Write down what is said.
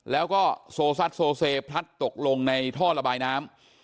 แล้วก็โซซัดโซเซพลัดตกลงในท่อระบายน้ำ